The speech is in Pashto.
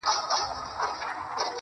راسه چي زړه مي په لاسو کي درکړم.